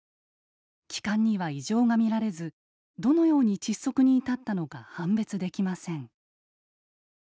気管には異常が見られずどのように窒息に至ったのか判別できません。